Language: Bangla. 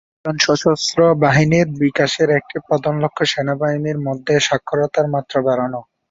আফগান সশস্ত্র বাহিনীর বিকাশের একটি প্রধান লক্ষ্য সেনাবাহিনীর মধ্যে সাক্ষরতার মাত্রা বাড়ানো।